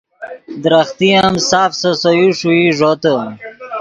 درختے ام ساف سے سے یو ݰوئی ݱوتے